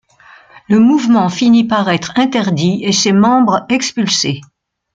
Le mouvement finit par être interdit et ses membres expulsés.